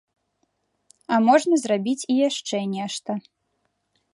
А можна зрабіць і яшчэ нешта.